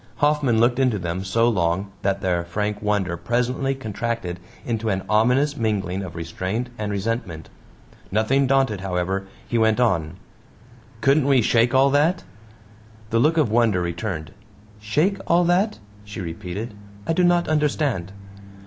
Hoffman looked into them so long that their frank wonder presently contracted into an ominous mingling of restraint and resentment. Nothing daunted, however, he went on: "Couldn't we shake all that?" The look of wonder returned. "Shake all that?" she repeated. "I do not understand."